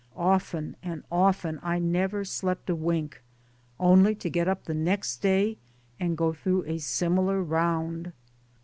Often and often I never slept a wink only to get up the next day and go through a s'imilar round.